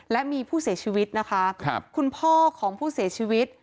และมีผู้เสียชีวิตนะคะคุณพ่อของผู้เสียชีวิต